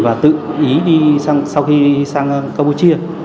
và tự ý đi sau khi sang campuchia